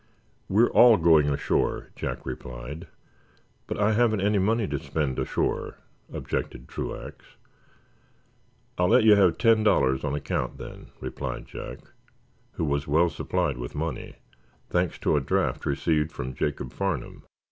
"We're all going ashore," Jack replied. "But I haven't any money to spend ashore," objected Truax. "I'll let you have ten dollars on account, then," replied Jack, who was well supplied with money, thanks to a draft received from Jacob Farnum.